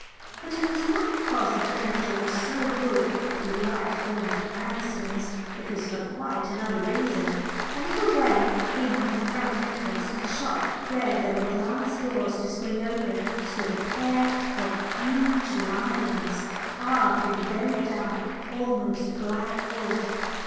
But it was not because the furniture was so good that we liked going to Cranston's. It was for quite another reason. A little way in from the front entrance to the shop, where there were glass doors to swing open, stood a pair of huge lions carved in very dark, almost black, wood.